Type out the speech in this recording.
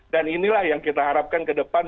inilah yang kita harapkan ke depan